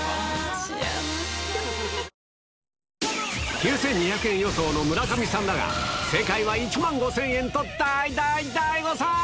９２００円予想の村上さんだが、正解は１万５０００円と大大大誤算。